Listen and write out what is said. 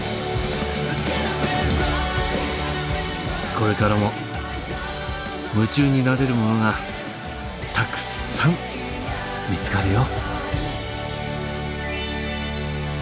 これからも夢中になれるものがたくさん見つかるよ。